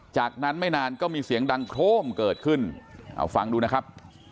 จากนั้นไม่นานก็มีเสียงดังโครมเกิดขึ้นเอาฟังดูนะครับ